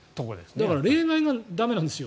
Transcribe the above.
だから例外が駄目なんですよ。